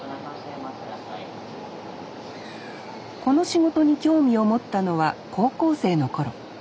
この仕事に興味を持ったのは高校生の頃。